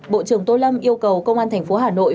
bộ trưởng tô lâm yêu cầu công an tp hà nội